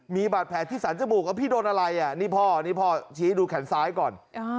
มีบาดแผลที่สรรจมูกว่าพี่โดนอะไรอ่ะนี่พ่อนี่พ่อชี้ดูแขนซ้ายก่อน